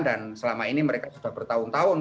dan selama ini mereka sudah bertahun tahun